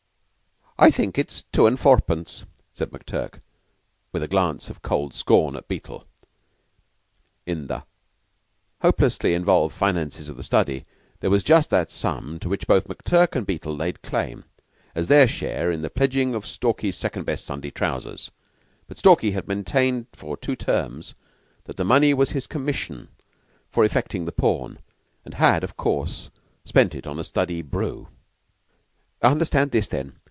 "I think it's two and fourpence," said McTurk, with a glance of cold scorn at Beetle. In the hopelessly involved finances of the study there was just that sum to which both McTurk and Beetle laid claim, as their share in the pledging of Stalky's second best Sunday trousers. But Stalky had maintained for two terms that the money was his "commission" for effecting the pawn; and had, of course, spent it on a study "brew." "Understand this, then.